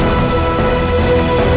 masa yang terakhir